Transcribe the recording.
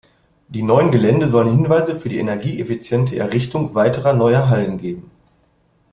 Die neuen Gelände sollen Hinweise für die energieeffiziente Errichtung weiterer neuer Hallen geben.